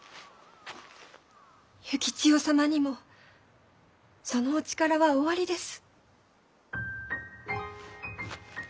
幸千代様にもそのお力はおありです。